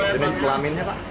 jadi kelaminnya pak